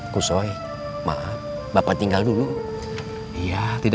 korsoman pun ternyata seperti itu